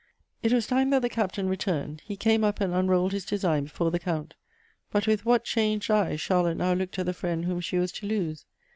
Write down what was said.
It was time that the Captain returned. He came up and unrolled his design before the Count. But with what changed eyes Charlotte now looked at the friend whom she was to lose.